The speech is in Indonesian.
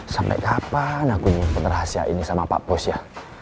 sampai kapan aku ingin penerah siak ini sama pak bos ya